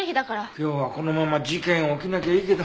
今日はこのまま事件起きなきゃいいけど。